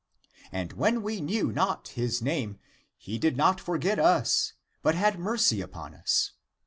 And when we knew not his name, he did not forget us, but had mercy upon us.